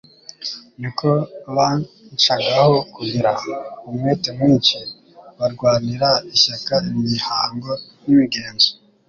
niko banshagaho kugira umwete mwinshi barwanira ishyaka imihango n'imigenzo.